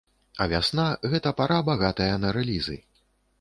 А вясна, гэта пара, багатая на рэлізы.